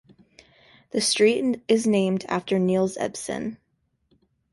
The street is named after Niels Ebbesen.